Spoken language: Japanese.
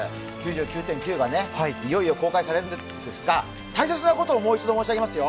「９９．９」がいよいよ公開されるんですが大切なことをもう一度申し上げますよ。